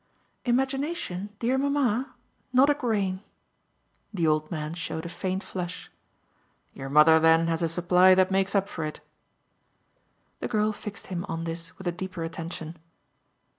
"'Imagination dear mamma? Not a grain!'" The old man showed a faint flush. "Your mother then has a supply that makes up for it." The girl fixed him on this with a deeper attention.